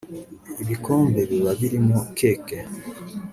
ibikombe biba birimo; keke